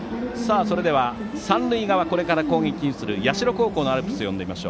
それでは三塁側これから攻撃に移る社のアルプスを呼んでみます。